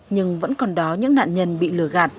nhưng vẫn còn đó những nạn nhân bị lừa gạt